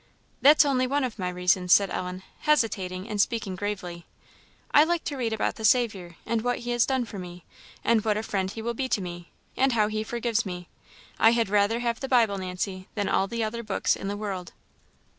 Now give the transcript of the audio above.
"That's only one of my reasons," said Ellen, hesitating, and speaking gravely; "I like to read about the Saviour, and what he has done for me, and what a friend he will be to me, and how he forgives me. I had rather have the Bible, Nancy, than all the other books in the world."